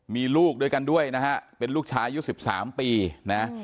มีลูกด้วยกันด้วยนะฮะเป็นลูกชายอายุ๑๓ปีนะ